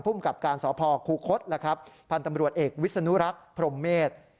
กับการสพคูคศพันธ์ตำรวจเอกวิศนุรักษ์พรมเมษ